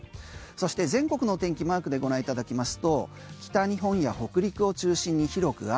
そして全国の天気マークでご覧いただきますと北日本や北陸を中心に広く雨。